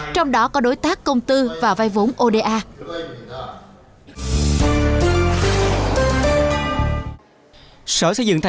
trong đó có đối tác công tư và vay vốn oda